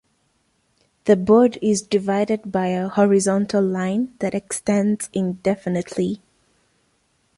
The board is divided by a horizontal line that extends indefinitely.